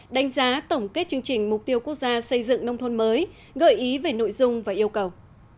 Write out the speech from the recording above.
đánh giá tổng kết chương trình mục tiêu quốc gia xây dựng nông thôn mới gợi ý về nội dung và yêu cầu